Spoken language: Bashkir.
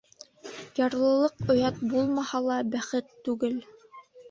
Ярлылыҡ оят булмаһа ла, бәхет түгел.